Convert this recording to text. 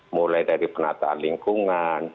mulai dari penataan lingkungan